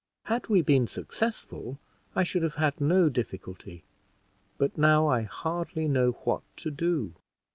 Had we been successful I should have had no difficulty, but now I hardly know what to do."